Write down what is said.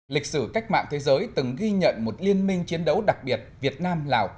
lịch sử cách mạng thế giới từng ghi nhận một liên minh chiến đấu đặc biệt việt nam lào